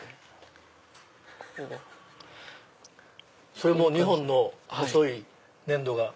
それ２本の細い粘土が。